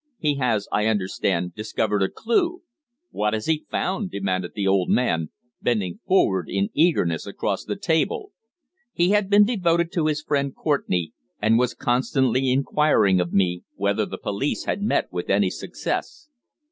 He has, I understand, discovered a clue." "What has he found?" demanded the old man, bending forward in eagerness across the table. He had been devoted to his friend Courtenay, and was constantly inquiring of me whether the police had met with any success.